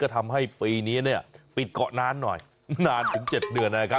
ทำให้ปีนี้ปิดเกาะนานหน่อยตั้งแต่๗เดือน